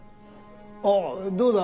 あどうだ？